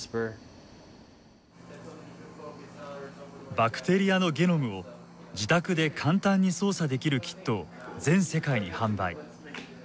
バクテリアのゲノムを自宅で簡単に操作できるキットを全世界に販売。